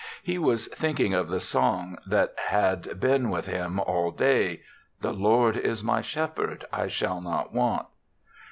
He was thinking of the song that had been with him all day, " The Lord is my shepherd; I shall not want."